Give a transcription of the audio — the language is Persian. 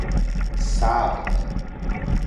صبع